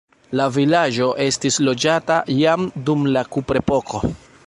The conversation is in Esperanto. La vilaĝo estis loĝata jam dum la kuprepoko.